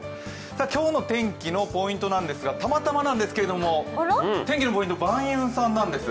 今日の天気のポイントなんですが、たまたまなんですけれども天気のポイント、ヴァンゆんさんなんです。